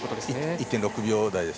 １．６秒台です。